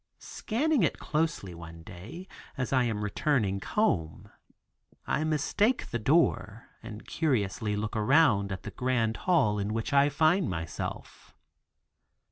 Scanning it closely one day, as I am returning home, I mistake the door and curiously look around at the grand hall in which I find myself.